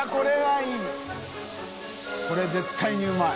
海絶対にうまい。